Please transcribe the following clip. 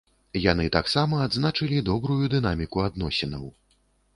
Яны таксама адзначылі добрую дынаміку адносінаў.